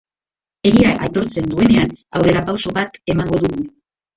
Egia aitortzen duenean, aurrerapauso bat emango dugu.